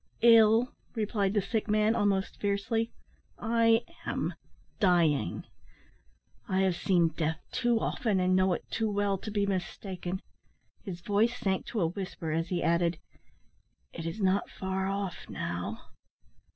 "Ill!" replied the sick man, almost fiercely, "I am dying. I have seen death too often, and know it too well, to be mistaken." His voice sank to a whisper as he added, "It is not far off now."